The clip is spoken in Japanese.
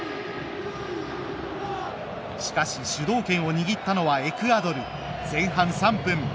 しかし、主導権を握ったのはエクアドル。前半３分。